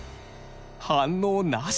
反応なし。